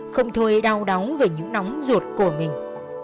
không thôi đau đáung về những nóng ruột của mình